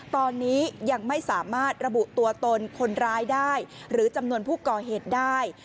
ตอนนี้ยังไม่สามารถระบุตัวตนคนร้ายได้หรือจำนวนผู้ก่อเหตุได้